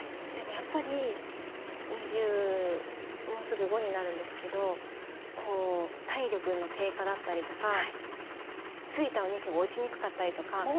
でもやっぱり２０もうすぐ５になるんですけどこう体力の低下だったりとかついたお肉が落ちにくかったりとか。